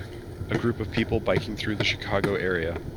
A group of people biking through the Chicago area.